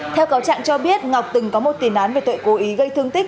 theo cáo trạng cho biết ngọc từng có một tiền án về tội cố ý gây thương tích